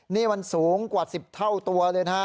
นี่มันสูงกว่า๑๐เท่าตัวเลยนะฮะ